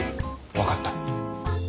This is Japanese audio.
分かった。